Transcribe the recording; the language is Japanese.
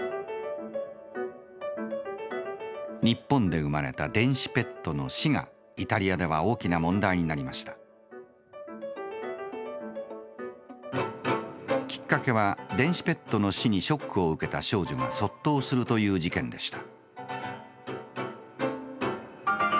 日本で生まれた電子ペットの死がイタリアでは大きな問題になりましたきっかけは電子ペットの死にショックを受けた少女が卒倒するという事件でした